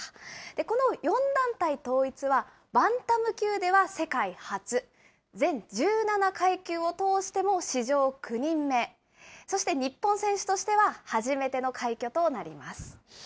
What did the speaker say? この４団体統一は、バンタム級では世界初、全１７階級を通しても史上９人目、そして日本選手としては初めての快挙となります。